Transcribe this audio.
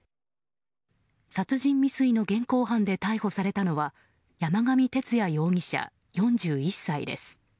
殺人未遂の現行犯で逮捕されたのは山上徹也容疑者、４１歳です。